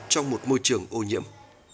trong một môi trường ô nhiễm